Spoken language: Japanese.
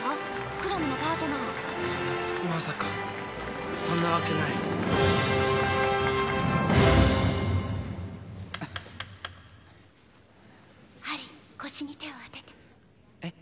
クラムのパートナーまさかそんなわけないハリー腰に手を当ててえっ？